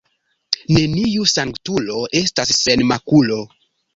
Neniu sanktulo estas sen makulo.